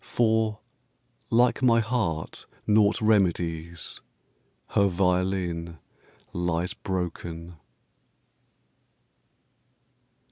For, like my heart naught remedies, Her violin lies broken.